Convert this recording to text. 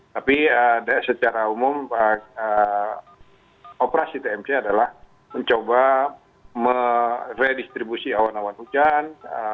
tapi secara umum operasi tmc adalah mencoba meredistribusi awan awan hujan